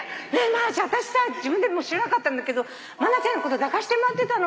真ちゃんあたしさ自分でも知らなかったんだけど真ちゃんのこと抱かしてもらってたの。